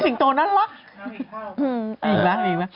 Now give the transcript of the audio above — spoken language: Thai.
สิงตัวน่ารัก